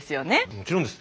もちろんです。